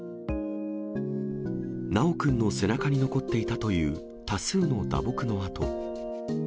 修くんの背中に残っていたという多数の打撲の痕。